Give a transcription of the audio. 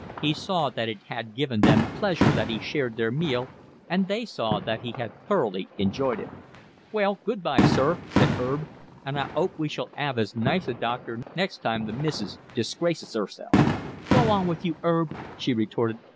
He saw that it had given them pleasure that he shared their meal, and they saw that he had thoroughly enjoyed it. "Well, good bye, sir," said 'Erb, "and I 'ope we shall 'ave as nice a doctor next time the missus disgraces 'erself." "Go on with you, 'Erb," she retorted.